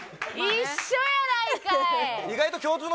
一緒やないかい！